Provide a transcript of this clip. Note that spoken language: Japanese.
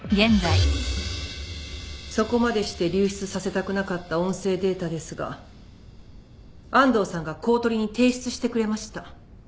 そこまでして流出させたくなかった音声データですが安藤さんが公取に提出してくれました。